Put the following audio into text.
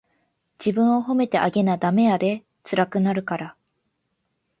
自分を褒めてあげなダメやで、つらくなるから。